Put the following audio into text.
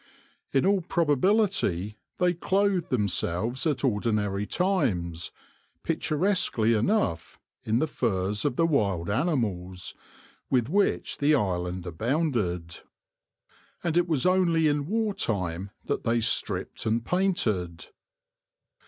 In all probability they clothed themselves at ordinary times, picturesquely enough, in the furs of the wild animals, with which the island abounded ; and it was only in war time that they stripped and painted.